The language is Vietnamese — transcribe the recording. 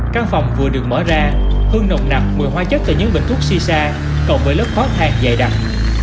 căn phòng vừa được mở ra hương nồng nặp mùi hoa chất từ những bình thuốc xì xa cộng với lớp khói thang dày đặc